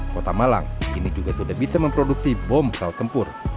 kota malang kini juga sudah bisa memproduksi bom pesawat tempur